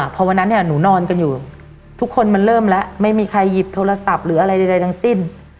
พอวันนั้นเนี่ยหนูนอนกันอยู่ทุกคนมันเริ่มแล้วไม่มีใครหยิบโทรศัพท์หรืออะไรใดทั้งสิ้น